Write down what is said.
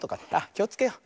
きをつけよう。